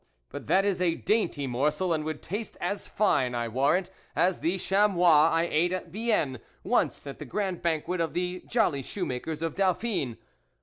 but that is a dainty morsel and would taste as fine, I warrant, as the cJfemois late at Vienne once at the grand banquet of the Jolly Shoemakers of Dauphine.